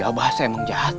iya abah saya emang jahat